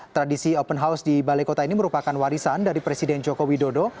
tradisi open house di balai kota ini merupakan warisan dari presiden joko widodo